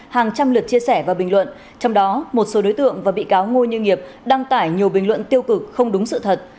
hàng trăm lượt chia sẻ và bình luận trong đó một số đối tượng và bị cáo ngôi như nghiệp đăng tải nhiều bình luận tiêu cực không đúng sự thật